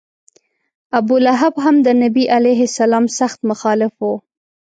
ابولهب هم د نبي علیه سلام سخت مخالف و.